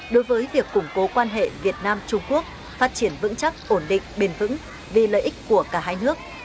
đối với việc củng cố quan hệ việt nam trung quốc phát triển vững chắc ổn định bền vững vì lợi ích của cả hai nước